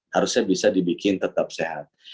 harusnya bisa dibikin tetap sehat